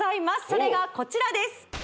それがこちらです